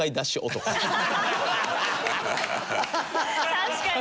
確かに。